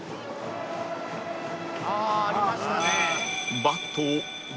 「ああーありましたね」